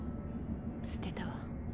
捨てたわ。